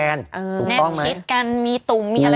แน่นชิดกันมีตุ่มมีอะไร